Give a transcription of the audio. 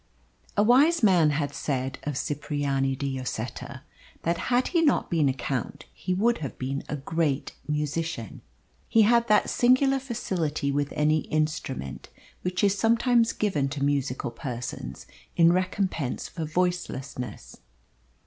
A wise man had said of Cipriani de Lloseta that had he not been a Count he would have been a great musician. He had that singular facility with any instrument which is sometimes given to musical persons in recompense for voicelessness.